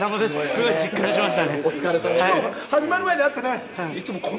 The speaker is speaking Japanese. すごい実感しました。